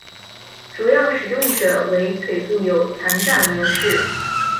主要使用者为腿部有残障人士。